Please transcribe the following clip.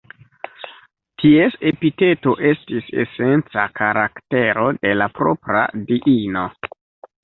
Ties epiteto estis esenca karaktero de la propra diino.